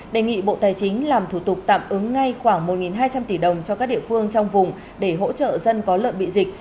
đề nghị bộ tài chính làm thủ tục tạm ứng ngay khoảng một hai trăm linh tỷ đồng cho các địa phương trong vùng để hỗ trợ dân có lợn bị dịch